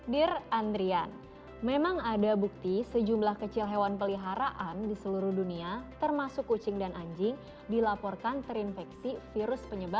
dir andrian memang ada bukti sejumlah kecil hewan peliharaan di seluruh dunia termasuk kucing dan anjing dilaporkan terinfeksi virus penyebab